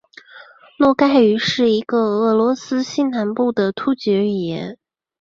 诺盖语是一个俄罗斯西南部的突厥语言。